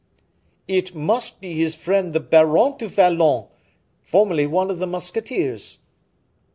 "It must be his friend the Baron du Vallon, formerly one of the musketeers."